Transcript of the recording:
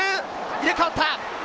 入れ替わった！